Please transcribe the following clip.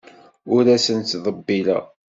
Ur asent-ttḍebbileɣ.